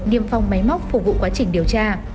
niêm phong máy móc phục vụ quá trình điều tra